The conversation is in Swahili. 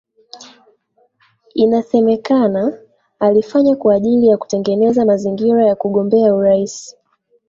inasemekana aliyafanya kwa ajili ya kutengeneza mazingira ya kugombea urais